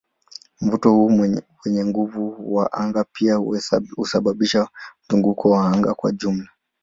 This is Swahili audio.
Mvuto huu wenye nguvu wa anga pia husababisha mzunguko wa anga wa jumla.